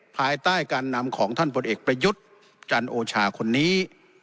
ภายใต้การนำของท่านผลเอกประยุทธ์จันโอชาคนนี้